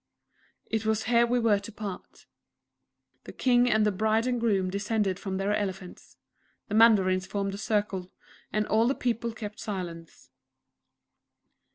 It was here we were to part. The King and the Bride and Groom descended from their elephants. The Mandarins formed a circle; and all the people kept silence.